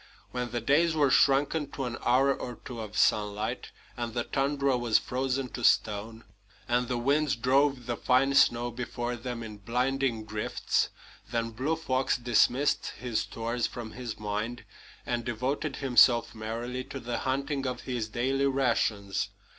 When the days were shrunken to an hour or two of sunlight, and the tundra was frozen to stone, and the winds drove the fine snow before them in blinding drifts, then Blue Fox dismissed his stores from his mind and devoted himself merrily to the hunting of his daily rations.